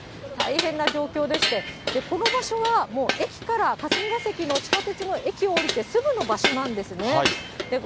大変な状況でして、この場所はもう駅から霞が関の地下鉄の駅を降りてすぐの場所なんですね。